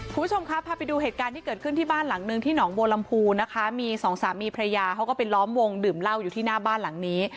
คุณผู้ชมครับพาไปดูเหตุการณ์ที่เกิดขึ้นที่บ้านหลังนึงที่หนองบัวลำพูนะคะมีสองสามีพระยาเขาก็ไปล้อมวงดื่มเหล้าอยู่ที่หน้าบ้านหลังนี้